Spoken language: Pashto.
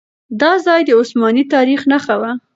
دا ځای د عثماني تاريخ نښه وه.